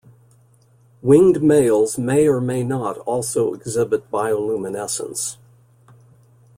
Winged males may or may not also exhibit bioluminescence.